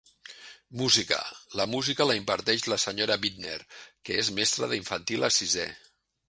Música: la música la imparteix la senyora Bittner, que és mestra d'infantil a sisè.